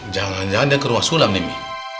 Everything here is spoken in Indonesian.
jangan jangan dia keluar sulam nih mi